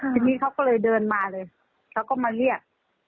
ทีนี้เขาก็เลยเดินมาเลยเขาก็มาเรียก